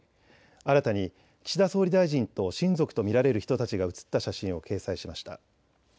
新たに岸田総理大臣と親族と見られる人たちが写った写真を掲載しました。